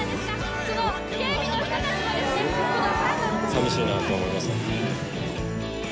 さみしいなと思います。